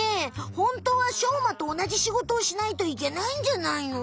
ホントはしょうまとおなじ仕事をしないといけないんじゃないの？